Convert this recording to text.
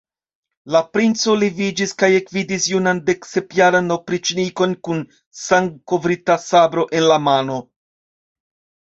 La princo leviĝis kaj ekvidis junan deksepjaran opriĉnikon kun sangkovrita sabro en la mano.